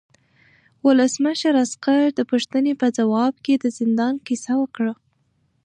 ولسمشر د عسکر د پوښتنې په ځواب کې د زندان کیسه وکړه.